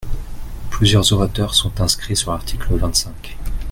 Plusieurs orateurs sont inscrits sur l’article vingt-cinq.